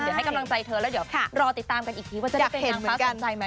เดี๋ยวให้กำลังใจเธอแล้วเดี๋ยวรอติดตามกันอีกทีว่าจะได้เป็นนางฟ้ากันใจไหม